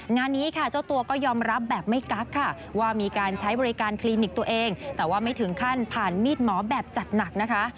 งานนี้ค่ะเจ้าตัวก็ยอมรับแบบไม่กั๊กค่ะว่ามีการใช้บริการคลินิกตัวเองแต่ว่าไม่ถึงขั้นผ่านมีดหมอแบบจัดหนักนะคะ